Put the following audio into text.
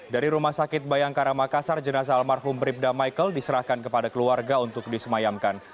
dari rumah sakit bayangkara makassar jenazah almarhum bribda michael diserahkan kepada keluarga untuk disemayamkan